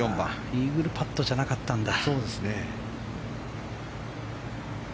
イーグルパットじゃなかったんだ。